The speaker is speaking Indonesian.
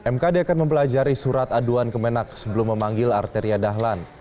mkd akan mempelajari surat aduan kemenak sebelum memanggil arteria dahlan